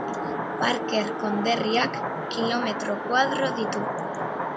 Parker konderriak kilometro koadro ditu.